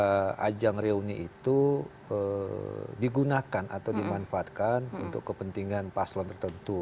bahwa ajang reuni itu digunakan atau dimanfaatkan untuk kepentingan paslon tertentu